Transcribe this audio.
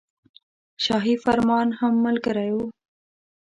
شاهي فرمان هم ملګری وو.